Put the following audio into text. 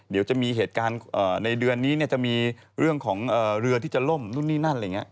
เดี๋ยวจะมีเหตุการณ์ในเดือนนี้จะมีเรื่องของเรือที่จะล่มนู่นนี่นั่นอะไรอย่างนี้